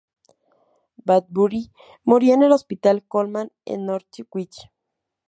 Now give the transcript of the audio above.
Bradbury murió en el hospital Colman en Norwich.